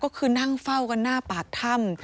ก็คือนั่งเฝ้ากันหน้าปากถ้ำ